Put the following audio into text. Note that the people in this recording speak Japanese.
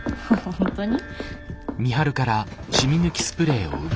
本当に？